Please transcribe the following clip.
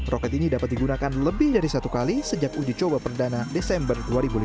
roket ini dapat digunakan lebih dari satu kali sejak uji coba perdana desember dua ribu lima belas